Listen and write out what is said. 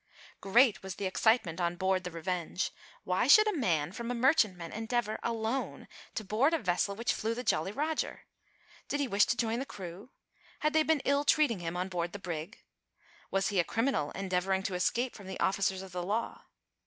Great was the excitement on board the Revenge. Why should a man from a merchantman endeavour, alone, to board a vessel which flew the Jolly Roger? Did he wish to join the crew? Had they been ill treating him on board the brig? Was he a criminal endeavouring to escape from the officers of the law?